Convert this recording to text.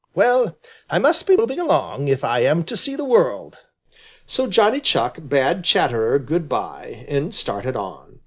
Well, I must be moving along, if I am to see the world." So Johnny Chuck bade Chatterer good by and started on.